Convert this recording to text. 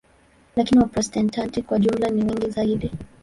Lakini Waprotestanti kwa jumla ni wengi zaidi.